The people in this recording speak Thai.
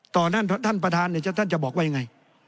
ต่อหน้าท่านประธานท่านจะบอกไว้ยังไง